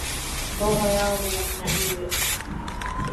Roho yangu na iwe,